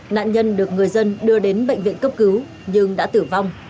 nạn nhân được người dân đưa đến bệnh viện cấp cứu nhưng đã tử vong